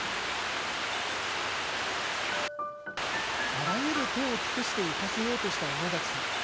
あらゆる手を尽くして行かせようとした小野崎さん。